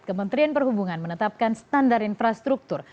kementerian perhubungan menetapkan standar infrastruktur